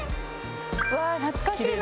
うわ懐かしいな。